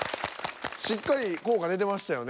しっかり効果出てましたよね。